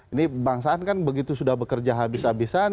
ini bangsaan kan begitu sudah bekerja habis habisan